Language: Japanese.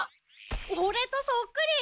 オレとそっくり！